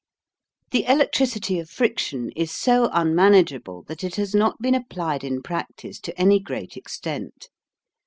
The electricity of friction is so unmanageable that it has not been applied in practice to any great extent.